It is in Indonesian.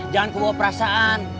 jangan kebawa perasaan